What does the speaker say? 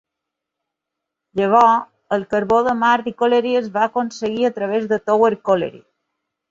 Llavors el carbó de Mardy Colliery es va aconseguir a través de Tower Colliery.